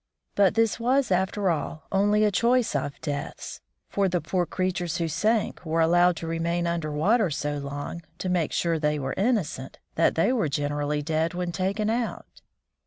But this was, after all, only a choice of deaths, for the poor creatures who sank were allowed to remain under water so long, to make sure they were innocent, that they were generally dead when taken out.